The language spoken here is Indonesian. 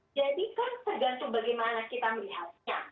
jadi kan tergantung bagaimana kita melihatnya